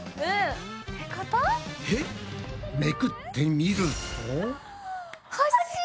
めくってみると。